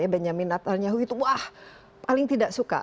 benjamin netanyahu itu paling tidak suka